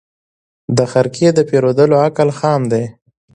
د خرقې د پېرودلو عقل خام دی